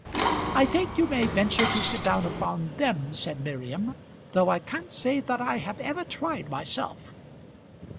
"I think you may venture to sit down upon them," said Miriam, "though I can't say that I have ever tried myself."